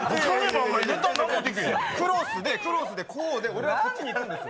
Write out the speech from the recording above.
クロスで、クロスで、こうで、俺がこっちにいるんですよ。